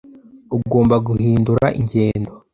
Ugomba guhindura ingendo